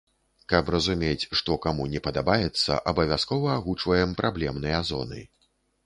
Каб разумець, што каму не падабаецца, абавязкова агучваем праблемныя зоны.